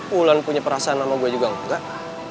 wulan punya perasaan sama gue juga gak